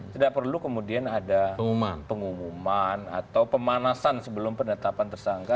tidak perlu kemudian ada pengumuman atau pemanasan sebelum penetapan tersangka